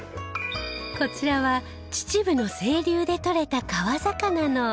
こちらは秩父の清流でとれた川魚のお刺し身。